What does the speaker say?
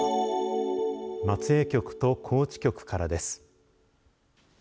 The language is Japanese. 松江局と高知局からです。